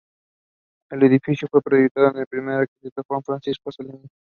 El edificio fue proyectado por el arquitecto Juan Francisco Anselmi.